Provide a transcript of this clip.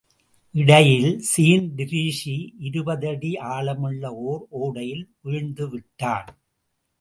இடையில் ஸீன் டிரீஸீ இருபதடி ஆழமுள்ள ஓர் ஓடையில் வீழ்ந்துவிட்டான்.